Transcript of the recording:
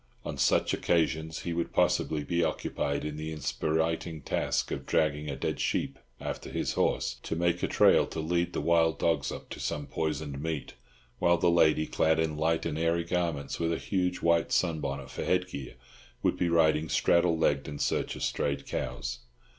On such occasions, he would possibly be occupied in the inspiriting task of dragging a dead sheep after his horse, to make a trail to lead the wild dogs up to some poisoned meat; while the lady, clad in light and airy garments, with a huge white sunbonnet for head gear, would be riding straddle legged in search of strayed cows.